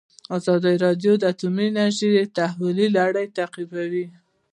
ازادي راډیو د اټومي انرژي د تحول لړۍ تعقیب کړې.